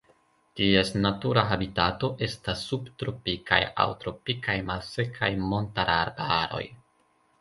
Ties natura habitato estas subtropikaj aŭ tropikaj malsekaj montararbaroj.